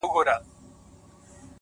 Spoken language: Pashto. هره هڅه د راتلونکي لپاره پیغام دی.!